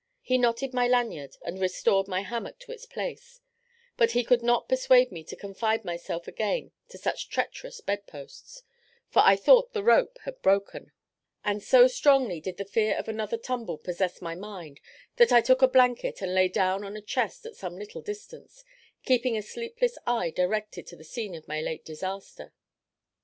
He knotted my lanyard, and restored my hammock to its place; but he could not persuade me to confide myself again to such treacherous bedposts, for I thought the rope had broken; and so strongly did the fear of another tumble possess my mind, that I took a blanket, and lay down on a chest at some little distance, keeping a sleepless eye directed to the scene of my late disaster.